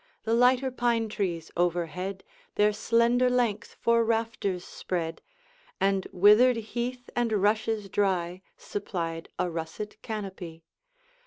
The lighter pine trees overhead Their slender length for rafters spread, And withered heath and rushes dry Supplied a russet canopy.